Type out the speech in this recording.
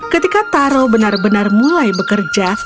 ketika taro benar benar mulai bekerja